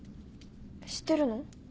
知ってるの？